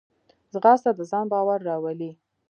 ځغاسته د ځان باور راولي